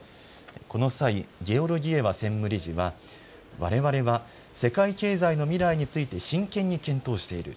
この際、ゲオルギエワ専務理事はわれわれは世界経済の未来について真剣に検討している。